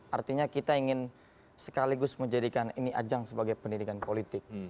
artinya kita ingin sekaligus menjadikan ini ajang sebagai pendidikan politik